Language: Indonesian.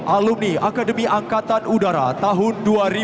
alumni akademi angkatan udara tahun dua ribu empat